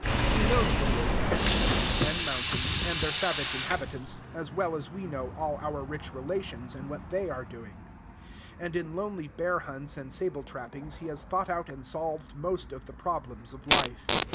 He knows the woods and streams and mountains, and their savage inhabitants, as well as we know all our rich relations and what they are doing; and in lonely bear hunts and sable trappings he has thought out and solved most of the problems of life.